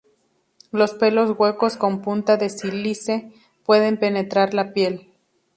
Los pelos huecos con punta de sílice pueden penetrar la piel.